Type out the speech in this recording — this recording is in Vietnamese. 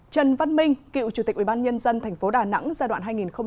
trần văn minh cựu chủ tịch ubnd tp đà nẵng giai đoạn hai nghìn sáu hai nghìn một mươi một